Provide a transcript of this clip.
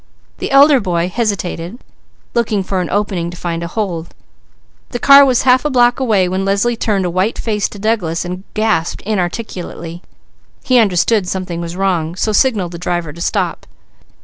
The elder boy hesitated, looking for an opening to find a hold. The car was half a block away when Leslie turned a white face to Douglas and gasped inarticulately. He understood something was wrong so signalled the driver to stop.